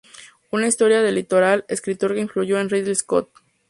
Una historia del litoral"", escritor que influyó a Ridley Scott.